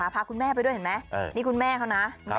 พาคุณแม่ไปด้วยเห็นไหมนี่คุณแม่เขานะ